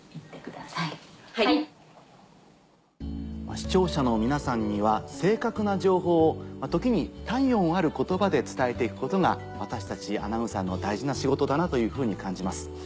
視聴者の皆さんには正確な情報を時に体温ある言葉で伝えて行くことが私たちアナウンサーの大事な仕事だなというふうに感じます。